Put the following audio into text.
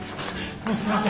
あらすいません。